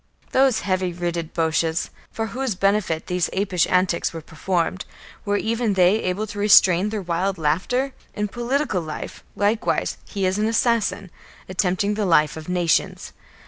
Those heavy witted Boches, for whose benefit these apish antics were performed, were even they able to restrain their wild laughter? In political life, likewise, he is an assassin, attempting the life of nations.